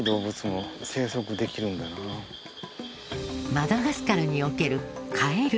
マダガスカルにおけるカエル。